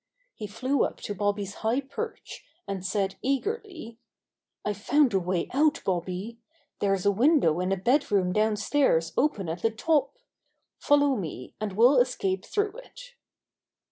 He flew up to Bobby's high' perch, and said eagerly: "IVe found a way out, Bobby. There's a window in a bed room downstairs open at the top. Follow me, and we'll escape through it."